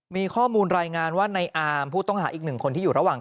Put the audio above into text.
มีข้อมูลรายงานว่าในอาร์มผู้ต้องหาอีกหนึ่งคนที่อยู่ระหว่าง